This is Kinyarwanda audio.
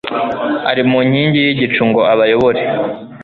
ari mu nkingi y'igicu, ngo abayohore